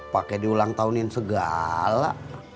pake diulang tahunin segala